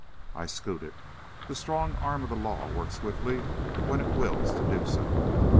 I scooted. The strong arm of the law works swiftly when it wills to do so.